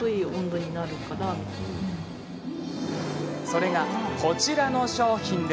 それが、こちらの商品。